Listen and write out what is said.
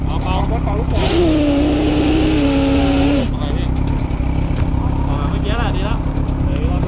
เอาปาก